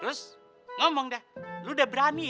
terus ngomong dah lo udah berani ya